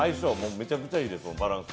めちゃくちゃいいですよ、バランス。